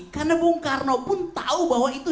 karena bung karo pun tahu bahwa itu